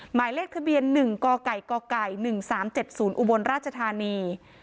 หมายเลขทะเบียนหนึ่งกไก่กไก่หนึ่งสามเจ็ดศูนย์อุบลราชธานี